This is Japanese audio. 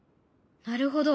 なるほど。